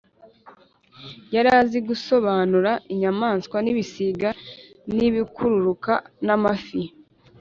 yari azi gusobanura inyamaswa n’ibisiga n’ibikururuka n’amafi.”